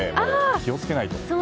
気を付けないと。